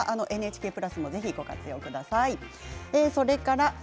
ＮＨＫプラスもぜひご活用ください。